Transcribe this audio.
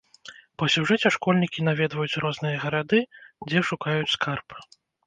Па сюжэце школьнікі наведваюць розныя гарады, дзе шукаюць скарб.